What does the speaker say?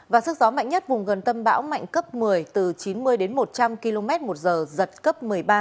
và sức gió mạnh nhất vùng gần tâm bão mạnh cấp một mươi từ chín mươi đến một trăm linh km một giờ giật cấp một mươi ba